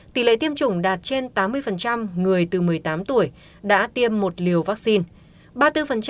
tỷ lệ tiêm chủng đạt trên tám mươi người từ một mươi tám tuổi đã tiêm một liều vaccine